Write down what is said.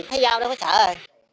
thấy dao đâu có trả rồi